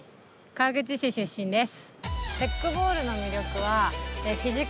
川口市出身です。